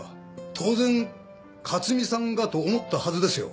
当然克巳さんがと思ったはずですよ。